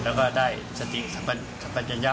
แล้วก็ได้สติธรรมจรรยะ